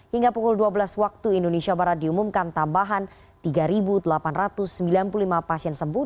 hingga pukul dua belas waktu indonesia barat diumumkan tambahan tiga delapan ratus sembilan puluh lima pasien sembuh